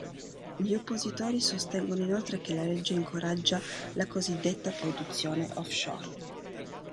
Gli oppositori sostengono inoltre che la legge incoraggia la cosiddetta "produzione offshore".